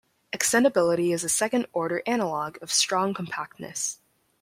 Extendibility is a second-order analog of strong compactness.